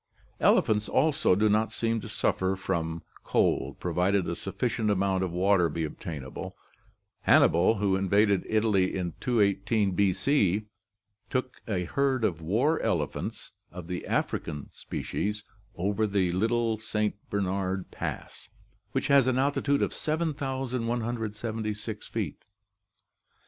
Elephants also do not seem to suffer from cold, provided a sufficient amount of water be obtainable. Hannibal, who invaded Italy in 218 B.C., took a herd of war elephants of the African species over the Little St. Bernard Pass, which has an altitude of 7176 feet.